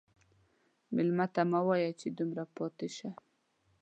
مېلمه ته مه وایه چې دومره پاتې شه.